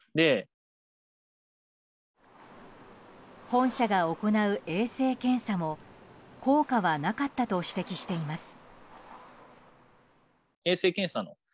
本社が行う衛生検査も効果はなかったと指摘しています。